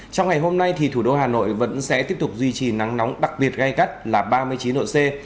trong ngày hôm nay thì thủ đô hà nội vẫn sẽ tiếp tục duy trì nắng nóng đặc biệt gai gắt là ba mươi chín độ c